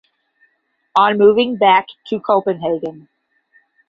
On moving back to Copenhagen.